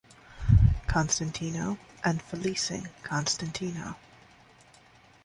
Constantino and Felicing Constantino.